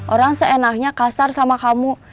orang seenaknya kasar sama kamu